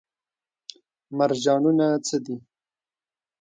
مرجانونه څه دي؟